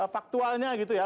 faktualnya gitu ya